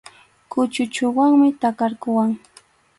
Kuchuchunwanmi takarquwan.